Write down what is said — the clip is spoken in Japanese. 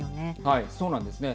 そうなんですね。